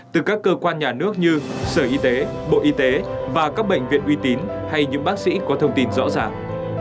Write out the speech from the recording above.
từ các cơ quan nhà nước như sở y tế bộ y tế và các bệnh viện uy tín hay những bác sĩ có thông tin rõ ràng